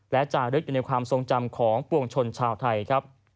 และจารึกอยู่ในความทรงจำของปวงชนชาวไทยครับ